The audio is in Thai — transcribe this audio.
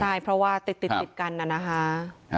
ใช่เพราะว่าติดกันน่ะนะคะ